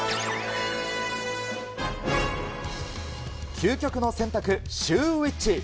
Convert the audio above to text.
究極の選択、シューＷｈｉｃｈ。